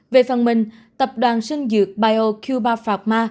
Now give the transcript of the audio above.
về phần mình tập đoàn sơn dược bio cuba pharma